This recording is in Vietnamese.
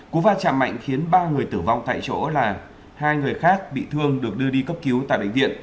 cú va chạm mạnh khiến ba người tử vong tại chỗ là hai người khác bị thương được đưa đi cấp cứu tại bệnh viện